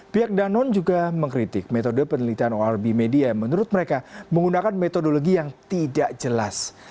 pihak danon juga mengkritik metode penelitian orb media yang menurut mereka menggunakan metodologi yang tidak jelas